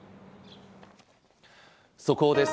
速報です。